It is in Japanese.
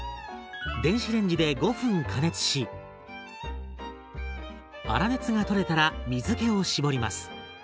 電子レンジで５分加熱し粗熱が取れたら水けを絞ります。